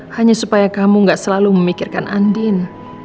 hanya supaya kamu gak selalu memikirkan andin